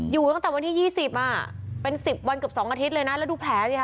อยู่ตั้งแต่วันที่๒๐อ่ะเป็น๑๐วันเกือบ๒อาทิตย์เลยนะแล้วดูแผลสิค่ะ